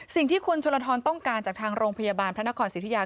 สิ่งที่คุณชลทรต้องการจากทางโรงพยาบาลพระนครสิทธิยา